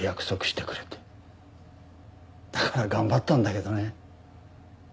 だから頑張ったんだけどね。